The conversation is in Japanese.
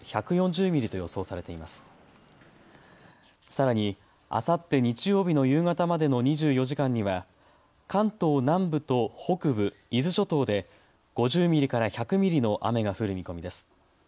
さらに、あさって日曜日の夕方までの２４時間には関東南部と北部、伊豆諸島で５０ミリから１００ミリの雨が降る見込みです。